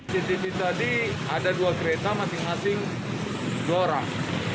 cctv tadi ada dua kereta masing masing dua orang